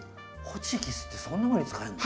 ホチキスってそんなふうに使えるの？